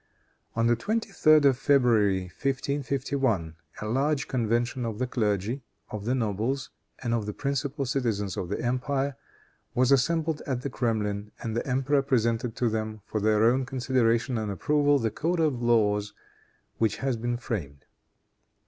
On the 23d of February, 1551, a large convention of the clergy, of the nobles and of the principal citizens of the empire, was assembled at the Kremlin, and the emperor presented to them, for their own consideration and approval, the code of laws which had been framed.